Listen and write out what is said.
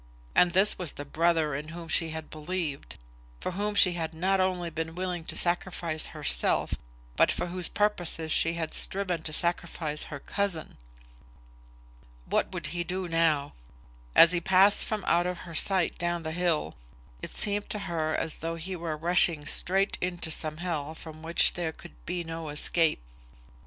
And this was the brother in whom she had believed; for whom she had not only been willing to sacrifice herself, but for whose purposes she had striven to sacrifice her cousin! What would he do now? As he passed from out of her sight down the hill, it seemed to her as though he were rushing straight into some hell from which there could be no escape. [Illustration: Kate.